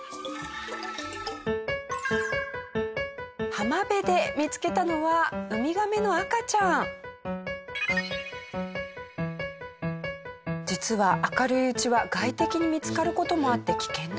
浜辺で見つけたのは実は明るいうちは外敵に見つかる事もあって危険なんだそうです。